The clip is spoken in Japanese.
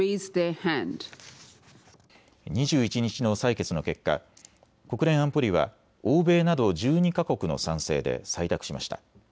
２１日の採決の結果、国連安保理は欧米など１２か国の賛成で採択しました。